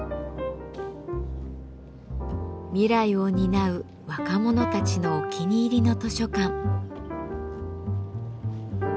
未来を担う若者たちのお気に入りの図書館。